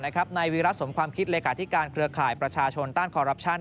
นายวีรัติสมความคิดเลขาธิการเครือข่ายประชาชนต้านคอรัปชั่น